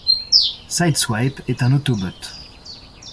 Sideswipe est un Autobot.